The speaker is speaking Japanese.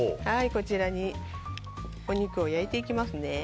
こちらにお肉を焼いていきますね。